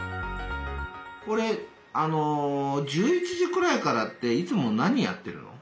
これ１１時くらいからっていつも何やってるの？